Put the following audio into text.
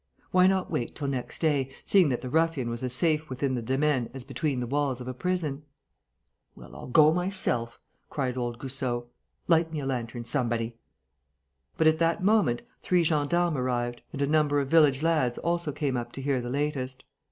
Why not wait till next day, seeing that the ruffian was as safe within the demesne as between the walls of a prison? "Well, I'll go myself," cried old Goussot. "Light me a lantern, somebody!" But, at that moment, three gendarmes arrived; and a number of village lads also came up to hear the latest.